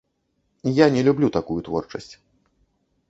Я не люблю такую творчасць.